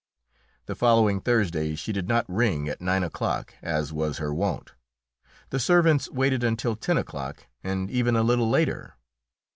The following Thursday she did not ring at nine o'clock as was her wont. The servants waited until ten o'clock, and even a little later.